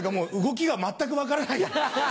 動きが全く分からない。